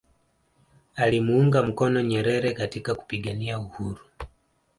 alimuunga mkono Nyerere katika kupigania uhuru